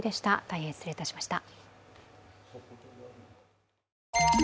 大変失礼いたしました。